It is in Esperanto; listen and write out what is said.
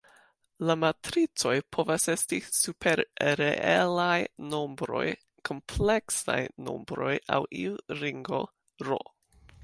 La matricoj povas esti super reelaj nombroj, kompleksaj nombroj aŭ iu ringo "R".